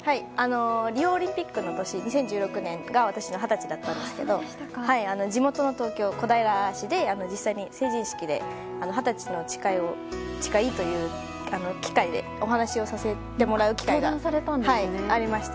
リオオリンピックの年２０１６年が私の二十歳だったんですが地元の東京・小平市の成人式で実際に成人式で二十歳の誓いでお話をさせてもらう機会がありました。